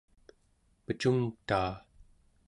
mecungtaa